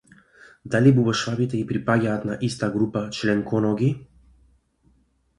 Дали бубашвабите и припаѓаат на иста група членконоги?